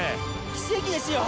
奇跡ですよ。